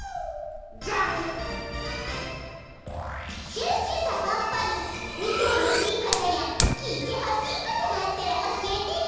シュッシュとポッポにみてほしいことやきいてほしいことがあったらおしえてね！